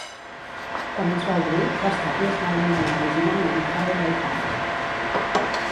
Quan es va obrir, l'estadi es va anomenar originalment Harringay Park.